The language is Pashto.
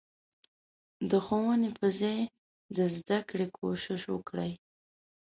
د ښوونې په ځای د زدکړې کوشش وکړي.